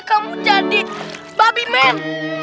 kamu jadi babi man